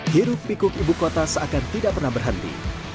hirup pikuk ibu kota seakan tidak pernah berhenti